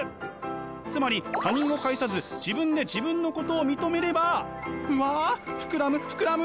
つまり他人を介さず自分で自分のことを認めればうわ膨らむ膨らむ！